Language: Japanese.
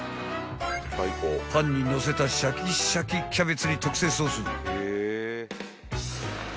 ［パンにのせたしゃきしゃきキャベツに特製ソース］